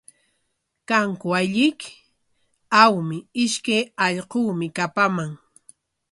¿Kanku allquyki? Awmi, ishkay allquumi kapaman.